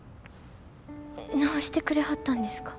直してくれはったんですか。